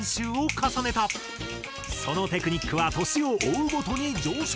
そのテクニックは年を追うごとに上昇。